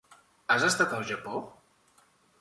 Has estat al Japó?